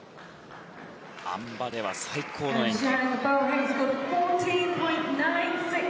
あん馬では最高の演技。